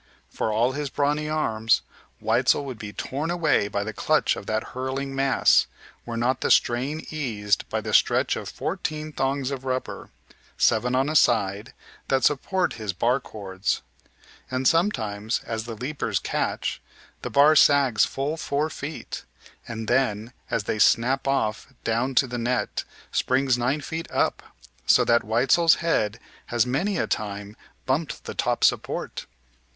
For all his brawny arms, Weitzel would be torn away by the clutch of that hurling mass, were not the strain eased by the stretch of fourteen thongs of rubber, seven on a side, that support his bar cords. And sometimes, as the leapers catch, the bar sags full four feet, and then, as they "snap off" down to the net, springs nine feet up, so that Weitzel's head has many a time bumped the top support.